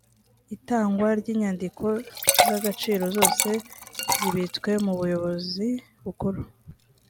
itangwa ry ‘inyandiko z’ agaciro zose zibitswe mu buyobozi bukuru.